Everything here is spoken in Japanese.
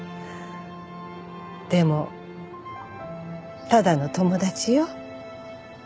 でもただの友達よ。